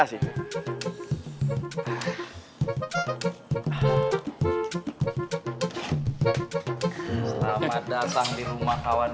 selamat datang di rumah kawan